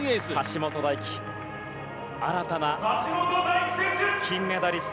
橋本大輝、新たな金メダリスト。